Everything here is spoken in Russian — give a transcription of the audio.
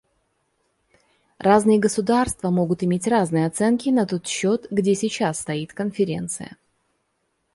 Разные государства могут иметь разные оценки на тот счет, где сейчас стоит Конференция.